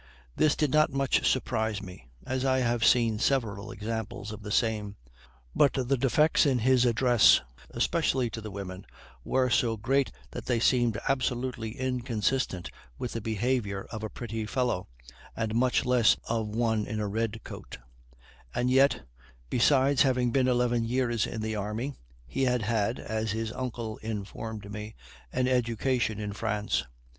This did not much surprise me, as I have seen several examples of the same; but the defects in his address, especially to the women, were so great that they seemed absolutely inconsistent with the behavior of a pretty fellow, much less of one in a red coat; and yet, besides having been eleven years in the army, he had had, as his uncle informed me, an education in France.